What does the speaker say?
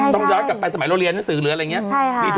ต้องย้อนกลับไปสมัยโรงเรียนสื่อเหรืออะไรเงี้ย